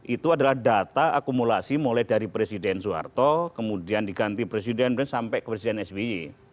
itu adalah data akumulasi mulai dari presiden soeharto kemudian diganti presiden sampai ke presiden sby